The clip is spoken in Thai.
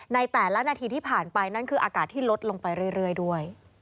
ในแต่ละนาทีที่ผ่านไปนั่นคืออากาศที่ลดลงไปเรื่อยด้วย